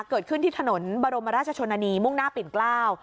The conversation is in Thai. เกิดขึ้นที่ถนนบรมราชชนนานีมุ่งหน้าปิ่นเกล้า